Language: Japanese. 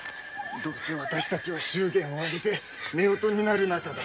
どうせ二人は祝言を挙げてめおとになる仲だ。